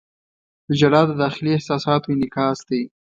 • ژړا د داخلي احساساتو انعکاس دی.